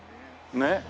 ねっ？